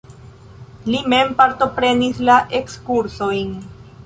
Li mem partoprenis la ekskursojn.